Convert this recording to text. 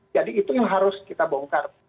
jadi itu yang harus kita bongkar